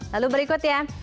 lalu berikut ya